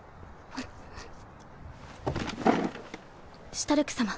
シュタルク様。